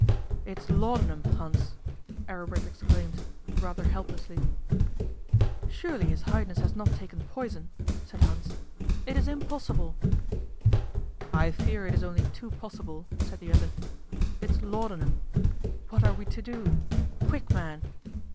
'It's laudanum, Hans,' Aribert exclaimed, rather helplessly. 'Surely his Highness has not taken poison?' said Hans. 'It is impossible!' 'I fear it is only too possible,' said the other. 'It's laudanum. What are we to do? Quick, man!